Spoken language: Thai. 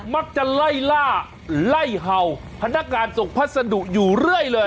มักจะไล่ล่าไล่เห่าพนักงานส่งพัสดุอยู่เรื่อยเลย